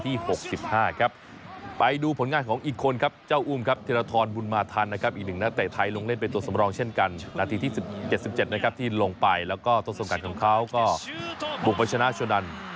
ที่ลงไปแล้วก็ทดสอบการณ์ของเขาก็ปลูกไปชนะชนดัน